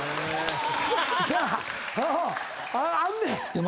あんねん！